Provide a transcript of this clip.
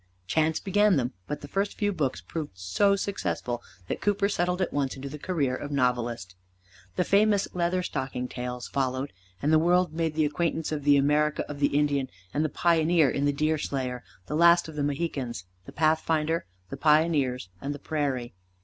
Chance began them, but the first few books proved so successful that Cooper settled at once into the career of novelist. The famous "Leather Stocking Tales" followed, and the world made the acquaintance of the America of the Indian and the pioneer in "The Deerslayer," "The Last of the Mohicans," "The Pathfinder," "The Pioneers," and "The Prairie."